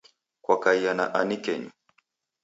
Kwakaia na ani kenyu?